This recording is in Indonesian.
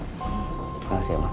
terima kasih mak